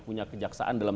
punya kejaksaan dalam